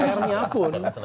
tapi pr nya pun